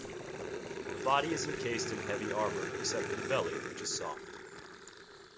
The body is encased in heavy armour, except for the belly, which is soft.